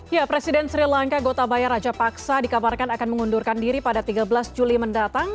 ya presiden sri lanka gotabaya raja paksa dikabarkan akan mengundurkan diri pada tiga belas juli mendatang